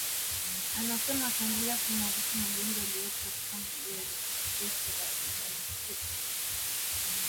Anasema wataendelea kuimarisha majengo yaliyoko katika mji huo ili urithi wa dunia usipotee